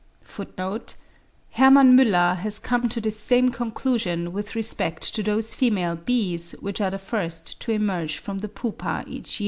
(8. Hermann Müller has come to this same conclusion with respect to those female bees which are the first to emerge from the pupa each year.